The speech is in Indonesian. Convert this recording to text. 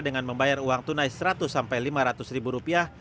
dengan membayar uang tunai seratus sampai lima ratus ribu rupiah